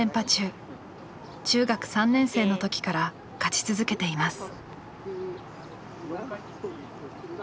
中学３年生の時から勝ち続けています。